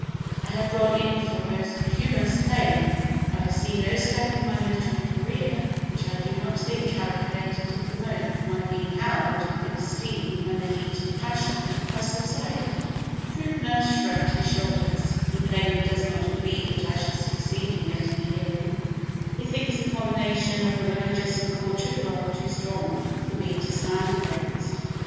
I have gone in for posthumous fame and I see no step in my literary career which I do not think calculated to promote my being held in esteem when the heat of passion has subsided." Trübner shrugged his shoulders. He plainly does not believe that I shall succeed in getting a hearing; he thinks the combination of the religious and cultured world too strong for me to stand against.